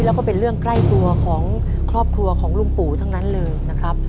แล้วก็เป็นเรื่องใกล้ตัวของครอบครัวของลุงปู่ทั้งนั้นเลยนะครับ